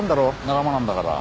仲間なんだから。